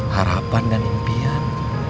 harapan dan impian